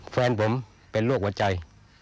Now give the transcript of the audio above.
แฟนผมเป็นโรคหัวใจ